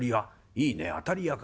いいね当たり屋か。